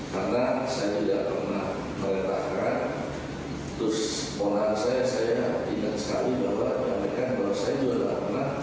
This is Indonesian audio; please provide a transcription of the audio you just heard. karena saya tidak pernah meletakkan terus mohon anggaran saya saya ingat sekali bahwa mereka menurut saya juga dalam penang